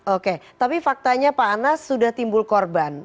oke tapi faktanya pak anas sudah timbul korban